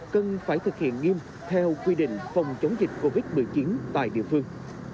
cần phải thực hiện nghiêm theo quy định phòng chống dịch covid một mươi chín tại địa phương